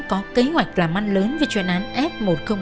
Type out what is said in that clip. có kế hoạch làm măn lớn về chuyên án f một trăm linh một